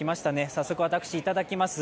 早速私、いただきます。